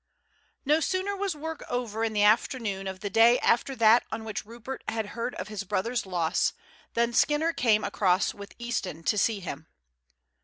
No sooner was work over in the afternoon of the day after that on which Rupert had heard of his brother's loss than Skinner came across with Easton to see him.